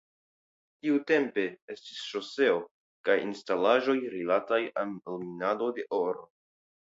Tiutempe estis ŝoseo kaj instalaĵoj rilataj al minado de oro.